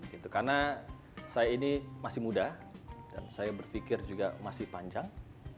karena saya ini masih muda dan saya berpikir juga masih panjang